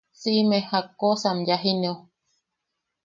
Siʼme, jakkosa am yajineo.